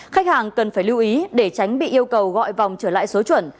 khách hàng cần phải lưu ý để tránh bị yêu cầu gọi vòng trở lại số chuẩn